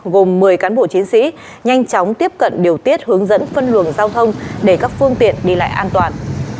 gửi cán bộ chiến sĩ nhanh chóng tiếp cận điều tiết hướng dẫn phân luồng giao thông để các phương tiện đi lại an toàn